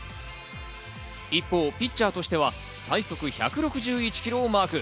一方ピッチャーとしては最速１６１キロをマーク。